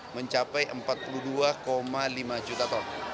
mencapai empat puluh dua lima juta ton